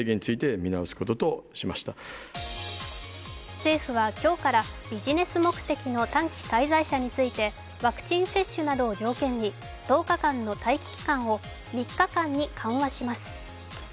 政府は今日からビジネス目的の短期滞在者についてワクチン接種などを条件に１０日間の待機期間を３日間に緩和します。